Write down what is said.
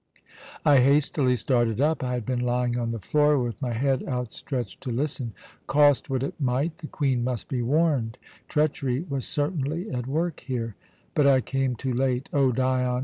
"I hastily started up. I had been lying on the floor with my head outstretched to listen. "Cost what it might, the Queen must be warned. Treachery was certainly at work here. "But I came too late. "O Dion!